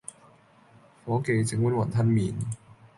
伙記，整碗雲吞麵